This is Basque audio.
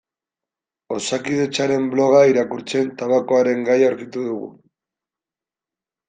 Osakidetzaren bloga irakurtzen tabakoaren gaia aurkitu dugu.